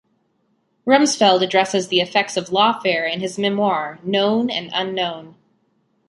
Rumsfeld addresses the effects of lawfare in his memoir "Known and Unknown".